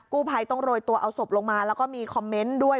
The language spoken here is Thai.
กู้ภัยต้องโรยตัวเอาศพลงมาแล้วก็มีคอมเมนต์ด้วย